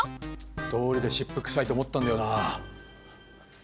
どうりで湿布臭いと思ったんだよな。